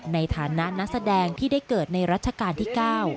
ในฐานะนักแสดงที่ได้เกิดในรัชกาลที่๙